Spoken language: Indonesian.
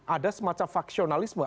ada semacam faksionalisme